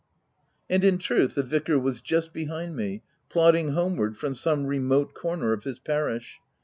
And in truth, the vicar was just behind me, plodding homeward from some remote corner of his parish.